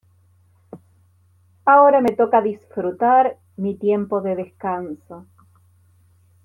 Ahora me toca disfrutar mi tiempo de descanso.